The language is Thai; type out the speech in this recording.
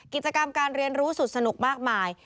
กิจกรรมการเรียนรู้สุดสนุกมากมาย